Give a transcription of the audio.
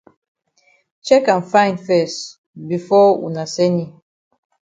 Chek am fine fes before wuna send yi.